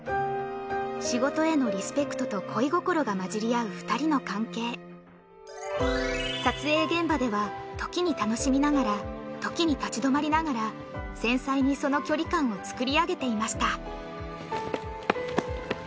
仕事へのリスペクトと恋心が交じり合う２人の関係撮影現場では時に楽しみながら時に立ち止まりながら繊細にその距離感を作り上げていました・